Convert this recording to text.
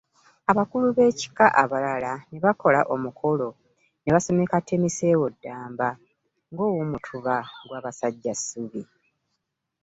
Abakulu b’ekika abalala ne bakola omukolo ne basumika Temiseewo Ddamba ng’Owoomutuba gwa Basajjassubi.